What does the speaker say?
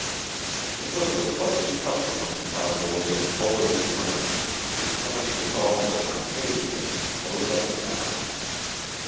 It was the pleasant custom of the cowboys at Buller's ranch to come into Salt Lick on pay days and close up the town.